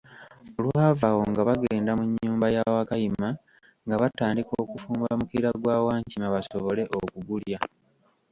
Olwava awo nga bagenda mu nyumba ya Wakayima nga batandika okufumba mukira gwa Wankima basobole okugulya.